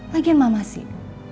lagian mama sih